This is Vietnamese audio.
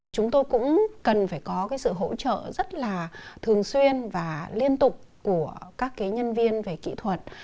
chúng tôi cũng cần phải có cái sự hỗ trợ rất là thường xuyên và liên tục của các nhân viên về kỹ thuật